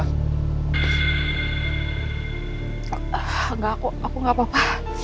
aku aku gak apa apa